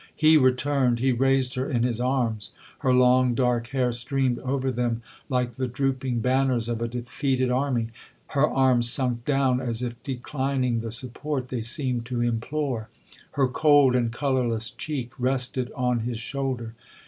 He returned—he raised her in his arms—her long dark hair streamed over them like the drooping banners of a defeated army—her arms sunk down as if declining the support they seemed to implore—her cold and colourless cheek rested on his shoulder.